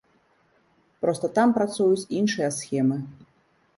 Проста там працуюць іншыя схемы.